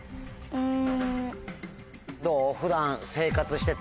うん。